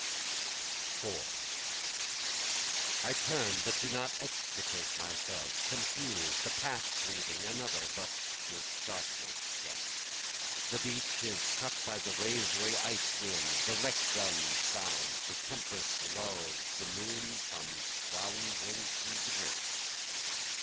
4 I turn but do not extricate myself, Confused, a past reading, another, but with darkness yet. The beach is cut by the razory ice wind, the wreck guns sound, The tempest lulls, the moon comes floundering through the drifts.